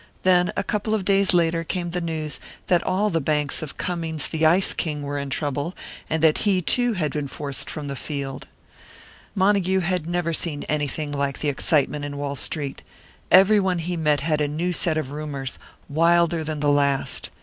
Then a couple of days later came the news that all the banks of Cummings the Ice King were in trouble, and that he too had been forced from the field. Montague had never seen anything like the excitement in Wall Street. Everyone he met had a new set of rumours, wilder than the last.